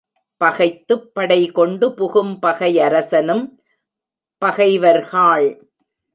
பகைத்துப் படைகொண்டு புகும் பகையரசனும், பகைவர்காள்!